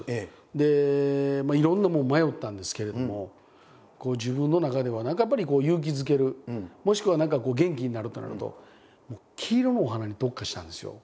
でいろんなもの迷ったんですけれども自分の中では何かやっぱり勇気づけるもしくは何か元気になるってなると黄色のお花に特化したんですよ。